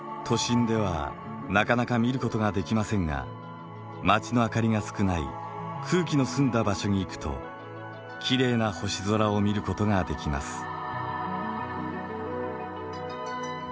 都心ではなかなか見ることができませんが街の灯りが少ない空気の澄んだ場所に行くときれいな星空を見ることができます。